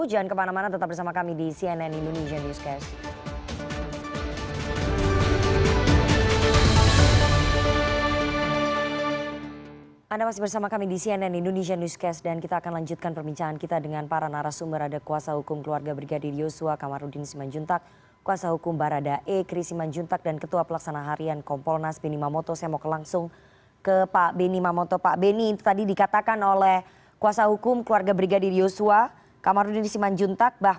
jangan kemana mana tetap bersama kami di cnn indonesian newscast